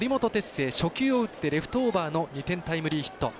星初球を打ってレフトオーバーの２点タイムリーヒット。